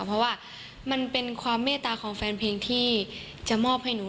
เพราะว่ามันเป็นความเมตตาของแฟนเพลงที่จะมอบให้หนู